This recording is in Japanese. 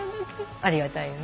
ありがたいよね。